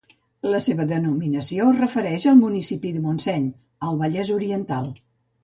La seva denominació es refereix al municipi de Montseny, al Vallès Oriental.